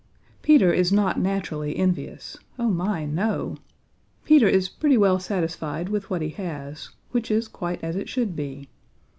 Peter is not naturally envious. Oh, my, no! Peter is pretty well satisfied with what he has, which is quite as it should be.